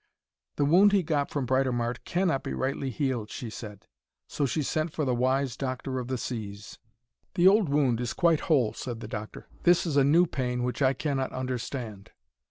'The wound he got from Britomart cannot be rightly healed,' she said. So she sent for the wise doctor of the seas. 'The old wound is quite whole,' said the doctor. 'This is a new pain which I cannot understand.'